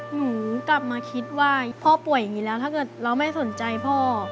หนูกลับมาคิดว่าพ่อป่วยอย่างนี้แล้วถ้าเกิดเราไม่สนใจพ่อ